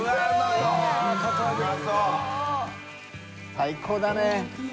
最高だね。